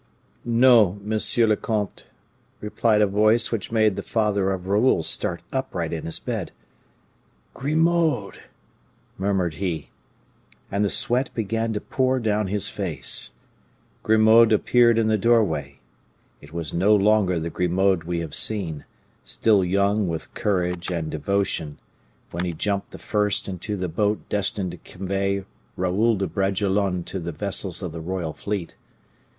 "No, monsieur le comte," replied a voice which made the father of Raoul start upright in his bed. "Grimaud!" murmured he. And the sweat began to pour down his face. Grimaud appeared in the doorway. It was no longer the Grimaud we have seen, still young with courage and devotion, when he jumped the first into the boat destined to convey Raoul de Bragelonne to the vessels of the royal fleet.